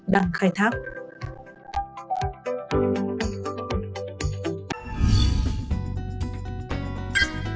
đang khai thác